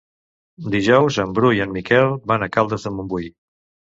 Dijous en Bru i en Miquel van a Caldes de Montbui.